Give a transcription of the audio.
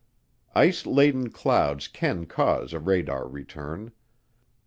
Ice laden clouds can cause a radar return.